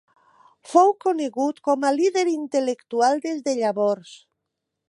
Fou conegut com a líder intel·lectual des de llavors.